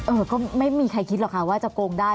เออก็ไม่มีใครคิดหรอกค่ะว่าจะโกงได้